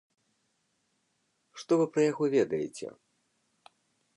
Што вы пра яго ведаеце?